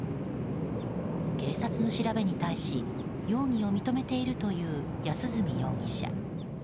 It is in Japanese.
警察の調べに対し容疑を認めているという安栖容疑者。